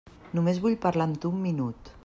Només vull parlar amb tu un minut.